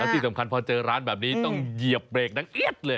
ที่สำคัญพอเจอร้านแบบนี้ต้องเหยียบเบรกดังเอี๊ดเลย